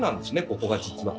ここが実は。